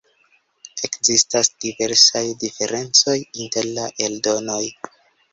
Ekzistas diversaj diferencoj inter la eldonoj.